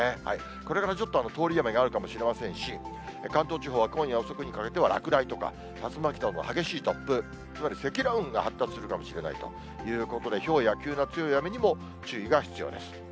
これからちょっと通り雨があるかもしれませんし、関東地方は今夜遅くにかけては落雷とか、竜巻などの激しい突風、積乱雲が発達するかもしれないということで、ひょうや急な強い雨にも注意が必要です。